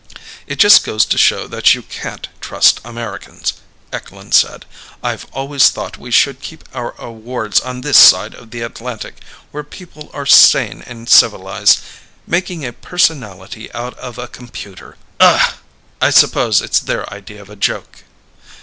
"It just goes to show that you can't trust Americans," Eklund said. "I've always thought we should keep our awards on this side of the Atlantic where people are sane and civilized. Making a personality out of a computer ugh! I suppose it's their idea of a joke."